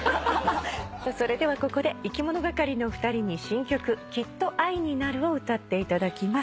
それではここでいきものがかりのお二人に新曲『きっと愛になる』を歌っていただきます。